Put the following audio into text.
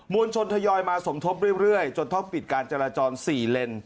วลชนทยอยมาสมทบเรื่อยจนต้องปิดการจราจร๔เลน